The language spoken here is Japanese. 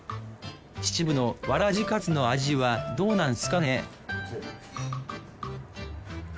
秩父のわらじかつの味はどうなんすかね？